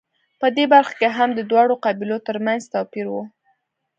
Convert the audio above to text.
په دې برخه کې هم د دواړو قبیلو ترمنځ توپیر و